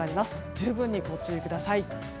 十分にご注意ください。